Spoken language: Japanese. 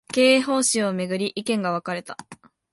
経営方針を巡り、意見が分かれた